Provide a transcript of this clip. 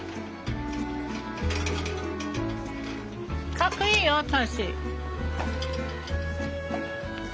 かっこいいよ正。